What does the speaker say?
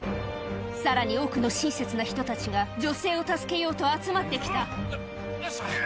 さらに多くの親切な人たちが、女性を助けようと集まってきた。